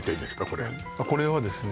これこれはですね